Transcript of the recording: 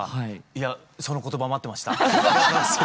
いやその言葉待ってました。